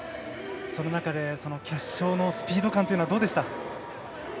その中で、決勝のスピード感っていうのはどうでしたか？